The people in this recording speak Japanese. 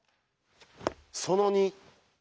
その２。